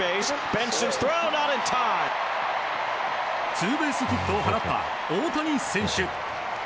ツーベースヒットを放った大谷選手。